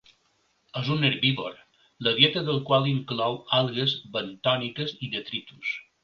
És un herbívor, la dieta del qual inclou algues bentòniques i detritus.